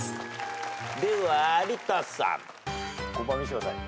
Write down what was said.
では有田さん。